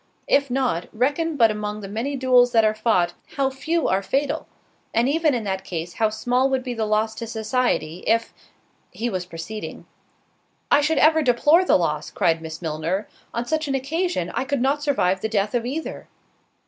If not, reckon but among the many duels that are fought, how few are fatal: and even in that case, how small would be the loss to society, if——" He was proceeding. "I should ever deplore the loss!" cried Miss Milner; "on such an occasion, I could not survive the death of either."